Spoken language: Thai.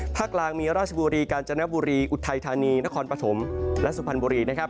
กลางมีราชบุรีกาญจนบุรีอุทัยธานีนครปฐมและสุพรรณบุรีนะครับ